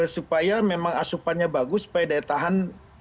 supaya memang asupannya bagus supaya daya tahan